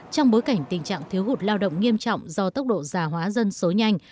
trong bối cảnh tình trạng thiếu hụt lao động nghiêm trọng do tốc độ già hóa dân số nhanh